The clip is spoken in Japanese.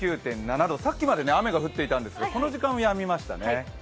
さっきまで雨が降っていたんですが、この時間はやみましたね。